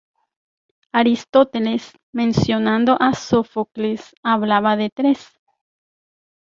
Aristóteles, mencionando a Sófocles, hablaba de tres.